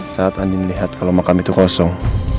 saat andi melihat kalau makam itu kosong